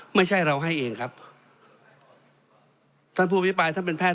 ไม่ใช่เราให้เองครับท่านผู้อภิปรายท่านเป็นแพท